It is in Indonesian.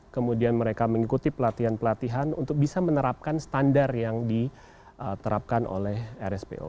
kemudian mereka mengikuti pelatihan pelatihan untuk bisa menerapkan standar yang diterapkan oleh rspo